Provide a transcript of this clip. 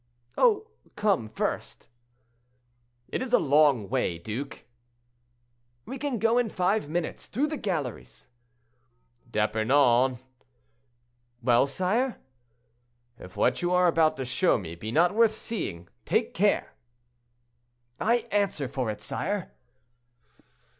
"Oh! come first." "It is a long way, duke." "We can go in five minutes through the galleries." "D'Epernon—" "Well, sire?" "If what you are about to show me be not worth seeing, take care." "I answer for it, sire."